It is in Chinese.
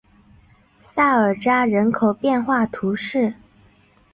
萨尔扎人口变化图示